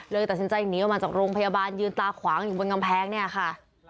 ตัดสินใจหนีออกมาจากโรงพยาบาลยืนตาขวางอยู่บนกำแพงเนี่ยค่ะ